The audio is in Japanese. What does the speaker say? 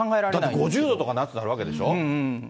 だって５０度とか夏なるわけでしょ？